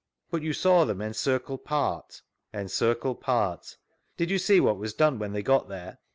But you saw them encircle part ?— Encircle part. Did you see what was done when they got thene